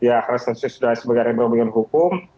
ya karena statusnya sudah naik sebagai rembang dengan hukum